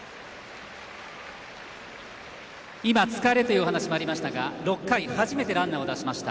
今、疲れという話もありましたが６回、初めてランナーを出しました。